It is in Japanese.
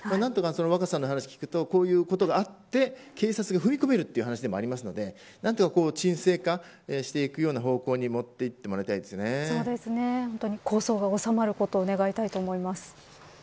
若狭さんの話を聞くとこういうことがあって、警察が踏み込めるという話でもありますので、何とか沈静化していくような方向に持っていって抗争が収まることを願いたいと思います。